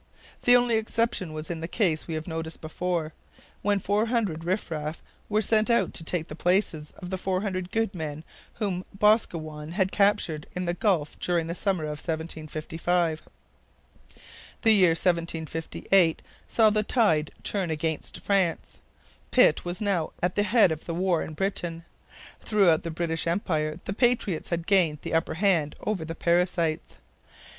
The only exception was in the case we have noticed before, when 400 riff raff were sent out to take the places of the 400 good men whom Boscawen had captured in the Gulf during the summer of 1755. The year 1758 saw the tide turn against France. Pitt was now at the head of the war in Britain; throughout the British Empire the patriots had gained the upper hand over the parasites.